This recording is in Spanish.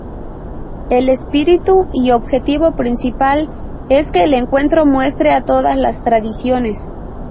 El espíritu y objetivo principal es que el encuentro muestre a todos las tradiciones.